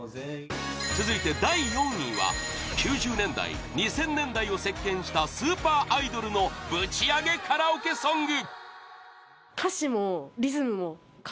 続いて第４位は９０年代、２０００年代を席巻したスーパーアイドルのぶちアゲカラオケソング